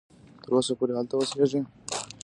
تر اوسه پوري هلته اوسیږي.